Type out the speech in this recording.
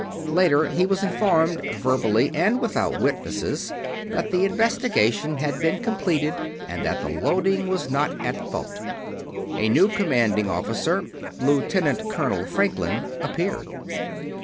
Later he was informed verbally and without witnesses that the investigation had been completed and that the loading was not at fault. A new Commanding Officer Lieutenant Colonel Franklin appeared.